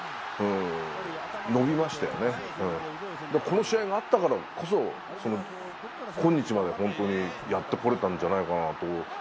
この試合があったからこそ今日まで本当にやってこれたんじゃないかなと。